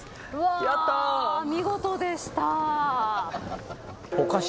見事でした。